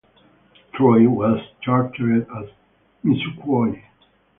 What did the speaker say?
Troy was chartered as Missisquoi.